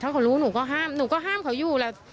ถ้าเขารู้หนูก็ห้ามหนูก็ห้ามเขาอยู่แหละ